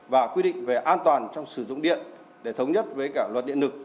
và quy định về an toàn trong sử dụng điện để thống nhất với cả luật điện lực